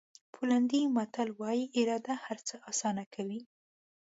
پولنډي متل وایي اراده هر څه آسانه کوي.